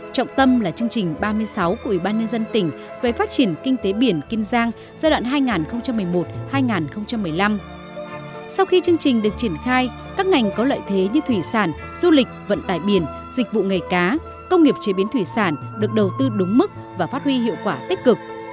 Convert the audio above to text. các ngành có lợi thế như thủy sản du lịch vận tải biển dịch vụ nghề cá công nghiệp chế biến thủy sản được đầu tư đúng mức và phát huy hiệu quả tích cực